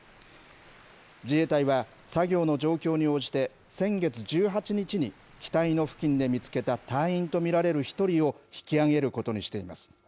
自衛隊は、作業の状況に応じて、先月１８日に機体の付近で見つけた隊員と見られる１人を引きあげることにしています。